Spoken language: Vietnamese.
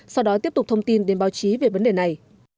sau đó tiếp tục thông tin đến báo chí về vấn đề này